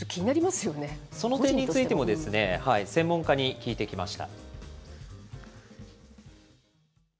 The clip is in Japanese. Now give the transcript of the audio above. その点についてもですね、専門家に聞いてきました。